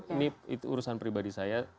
ini urusan pribadi saya